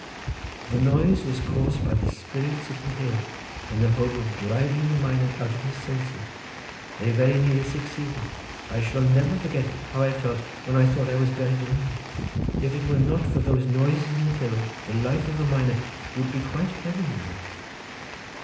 The noise was caused by the spirits of the hill in the hope of driving the miner out of his senses. They very nearly succeeded. I shall never forget how I felt when I thought I was buried alive. If it were not for those noises in the hill the life of a miner would be quite heaven below."